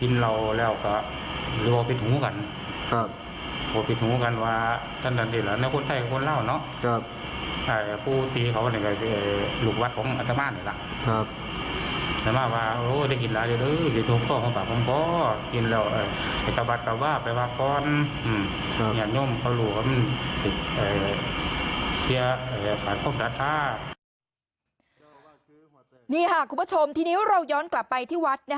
นี่ค่ะคุณผู้ชมทีนี้เราย้อนกลับไปที่วัด